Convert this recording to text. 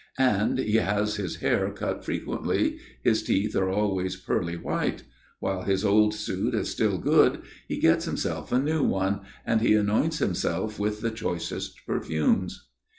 And he has his hair cut frequently. His teeth are always pearly white. While his old suit is still good, he gets himself a new one; and he anoints himself with the choicest perfumes.